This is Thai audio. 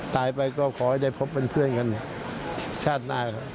ตายไปก็ขอให้ได้พบเป็นเพื่อนกันชาติหน้าครับ